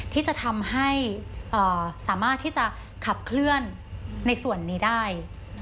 ที่จะทำให้สามารถที่จะขับเคลื่อนในส่วนนี้ได้